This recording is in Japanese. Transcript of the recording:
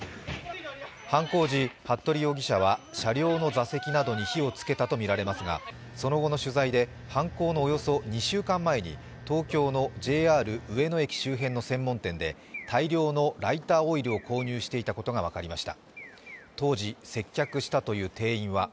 犯行時、服部容疑者は車両の座席などに火をつけたとみられますがその後の取材で、犯行のおよそ２週間前に東京のＪＲ上野駅周辺の専門店で大量のライターオイルを購入していたことが分かりました。